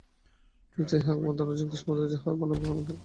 ইহাই একমাত্র সম্ভাব্য যুক্তিসঙ্গত মতবাদ, যাহা মানব-মন ধারণা করিতে পারে।